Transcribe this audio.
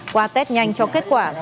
qua test nhanh cho kết quả